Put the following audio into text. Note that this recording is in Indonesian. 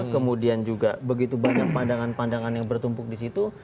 kemudian juga begitu banyak pandangan pandangan yang bertumpuk disitu